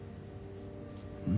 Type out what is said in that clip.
うん？